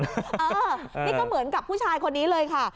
นี่ก็เหมือนกับผู้ชายคนนี้เลยค่ะ